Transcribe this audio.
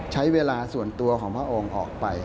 ใช้เวลาส่วนตัวของพระองค์ออกไป